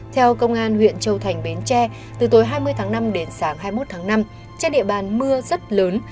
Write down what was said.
theo công an huyện châu thành bến tre từ tối hai mươi tháng năm đến sáng hai mươi một tháng năm trên địa bàn mưa rất lớn